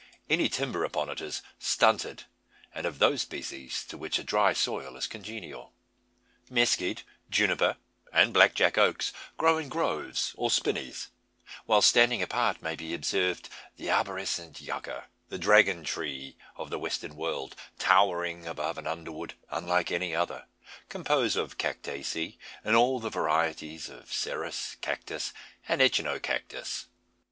Any timber upon it is stunted, and of those species to which a dry soil is congenial. Mezquite, juniper, and "black jack" oaks grow in groves or spinneys; while standing apart may be observed the arborescent jucca the "dragon tree" of the Western world, towering above an underwood unlike any other, composed of cactaceae in all the varieties of cereus, cactus, and echinocactus.